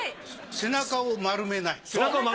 背中を丸めない。